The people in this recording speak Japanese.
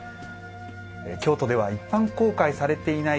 京都では一般公開されていない